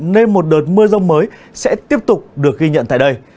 nên một đợt mưa rông mới sẽ tiếp tục được ghi nhận tại đây